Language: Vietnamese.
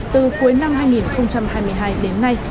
từ cuối năm hai nghìn hai mươi hai đến nay